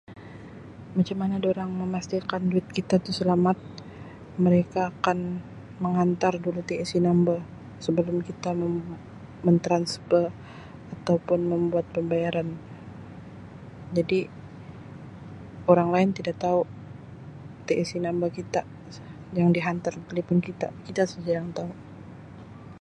"Macam mana dorang memastikan duit kita tu selamat mereka akan menghantar dulu ""TAC number"" sebelum kita men-mentransfer atau pun membuat pembayaran jadi orang lain tidak tau ""TAC number kita"" yang dihantar ke telefon kita kita saja yang tau."